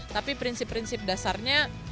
tapi prinsip prinsip dasarnya